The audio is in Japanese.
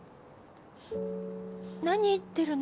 なに言ってるの？